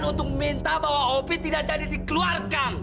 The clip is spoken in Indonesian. untuk meminta bahwa opi tidak jadi dikeluarkan